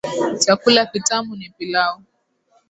Chakula kitamu ni pilau